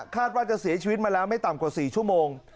ว่าจะเสียชีวิตมาแล้วไม่ต่ำกว่า๔ชั่วโมง